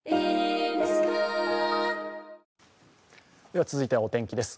では、続いてはお天気です。